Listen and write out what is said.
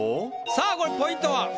さあこれポイントは？